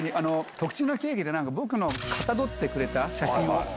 特注のケーキで、僕のをかたどってくれた、写真を。